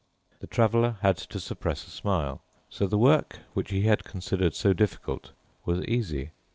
The Traveler had to suppress a smile. So the work which he had considered so difficult was easy.